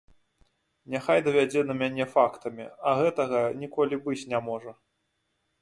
Няхай давядзе на мяне фактамі, а гэтага ніколі быць не можа.